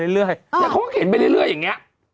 แต่เขาก็เข็นไปเรื่อยอย่างเนี่ย